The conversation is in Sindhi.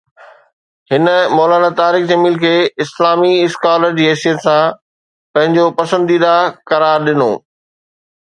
هن مولانا طارق جميل کي اسلامي اسڪالر جي حيثيت سان پنهنجو پسنديده قرار ڏنو